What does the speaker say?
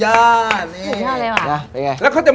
ฉันชอบได้หว่ะ